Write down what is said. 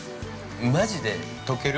マジで溶ける。